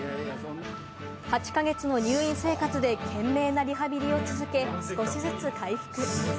８か月の入院生活で懸命なリハビリを続け、少しずつ回復。